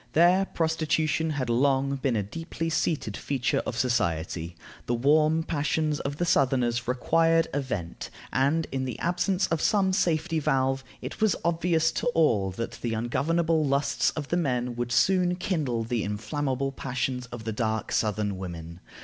There prostitution had long been a deeply seated feature of society. The warm passions of the southerners required a vent, and, in the absence of some safety valve, it was obvious to all that the ungovernable lusts of the men would soon kindle the inflammable passions of the dark southern women.